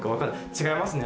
違いますね